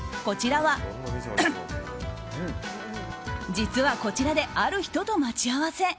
実はこちらである人と待ち合わせ。